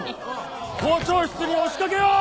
校長室に押しかけよう！